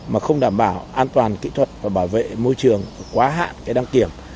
mà không đảm bảo an toàn kỹ thuật và bảo vệ môi trường quá hạn cái đăng kiểm